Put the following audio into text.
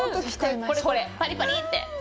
これ、パリパリって。